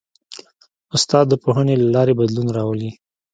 استاد د پوهنې له لارې بدلون راولي.